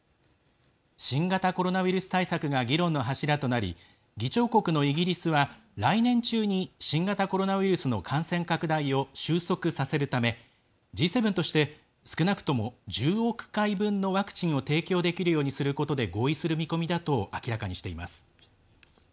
新型コロナウイルス対策が議論の柱となり議長国のイギリスは来年中に新型コロナウイルスの感染拡大を収束させるためＧ７として、少なくとも１０億回分のワクチンを提供できるようにすることで合意する見込みだと明らかにしています。